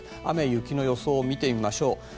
雨雪の予想を見てみましょう。